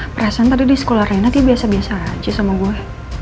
perasaan tadi di sekolah renat ya biasa biasa aja sama gue